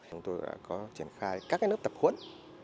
chúng tôi đã có triển khai các lớp tập huấn